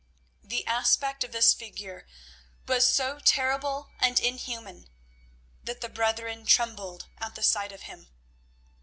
The aspect of this figure was so terrible and inhuman that the brethren trembled at the sight of him.